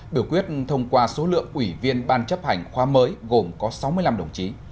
biểu quyết thông qua số lượng ủy viên ban chấp hành khoa mới gồm có sáu mươi năm đồng chí